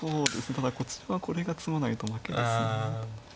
ただこちらはこれが詰まないと負けですね。